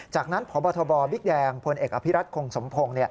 จากนั้นพบทบบิ๊กแดงพลเอกอภิรัตคงสมพงศ์